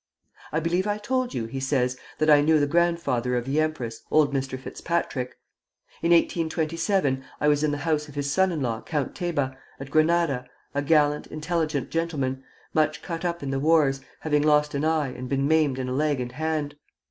"I believe I told you," he says, "that I knew the grandfather of the empress, old Mr. Fitzpatrick. In 1827 I was in the house of his son in law, Count Teba, at Granada, a gallant, intelligent gentleman, much cut up in the wars, having lost an eye and been maimed in a leg and hand.